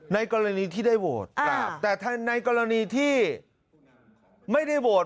ในกรณีที่ได้โหวตแต่ในกรณีที่ไม่ได้โหวต